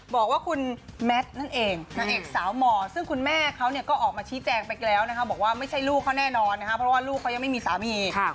บอกว่าคุณแมทนั่นเองนางเอกสาวหมอซึ่งคุณแม่เขาก็ออกมาชี้แจงไปแล้วนะคะบอกว่าไม่ใช่ลูกเขาแน่นอนนะคะเพราะว่าลูกเขายังไม่มีสามี